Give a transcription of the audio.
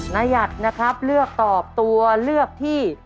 หยัดนะครับเลือกตอบตัวเลือกที่